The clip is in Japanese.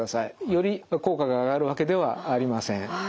より効果が上がるわけではありません。